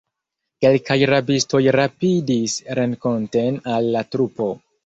Kelkaj rabistoj rapidis renkonten al la trupo.